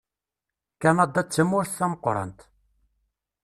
Kanada d tamurt tameqqrant.